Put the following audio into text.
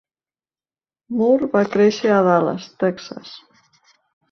Moor va créixer a Dallas, Texas.